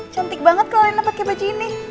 cantik banget kalau enak pakai baju ini